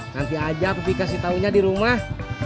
nanti aja bibi kasih tahunya di rumah